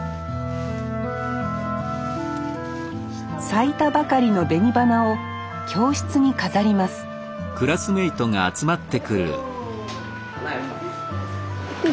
咲いたばかりの紅花を教室に飾りますお。